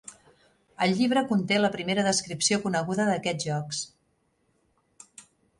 El llibre conté la primera descripció coneguda d'aquests jocs.